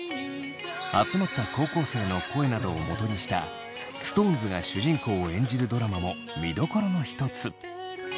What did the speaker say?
集まった高校生の声などをもとにしたＳｉｘＴＯＮＥＳが主人公を演じるドラマも見どころの一つ。